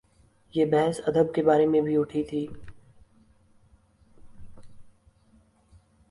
یہ بحث ادب کے بارے میں بھی اٹھی تھی۔